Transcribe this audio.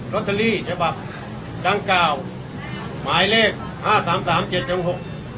ลอตเตอรี่ฉบับดังกล่าวหมายเลขห้าสามสามเจ็ดถึงหก